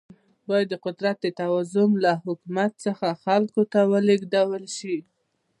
باید د قدرت توازن له حکومت څخه خلکو ته ولیږدول شي.